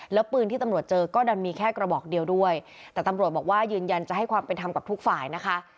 แล้วปืนที่ตำรวจเจอก็ดันมีแค่กระบอกเดียวด้วยแต่ตำรวจบอกว่ายืนยันจะให้ความเป็นธรรมกับทุกฝ่ายนะคะ